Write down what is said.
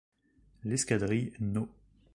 L'escadrille No.